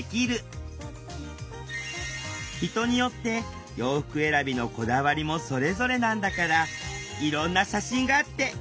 人によって洋服選びのこだわりもそれぞれなんだからいろんな写真があっていいわよねアップデート！